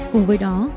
cùng với đó một bước